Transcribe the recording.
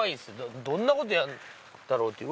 どんなことやるんだろうって。